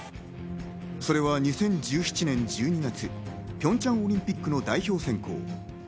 それは２０１７年１２月、ピョンチャンオリンピックの代表選考。